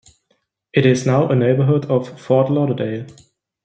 It is now a neighborhood of Fort Lauderdale.